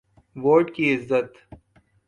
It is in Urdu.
ووٹ کی عزت۔